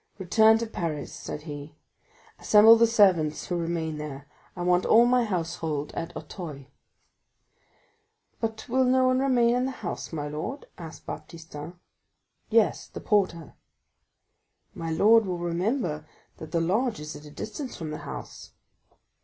"Return to Paris," said he; "assemble the servants who remain there. I want all my household at Auteuil." "But will no one remain in the house, my lord?" asked Baptistin. "Yes, the porter." "My lord will remember that the lodge is at a distance from the house."